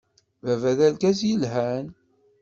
Baba d argaz yelhan.